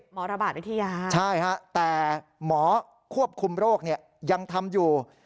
หมอระบาดวิทยาใช่ฮะแต่หมอควบคุมโรคเนี่ยยังทำอยู่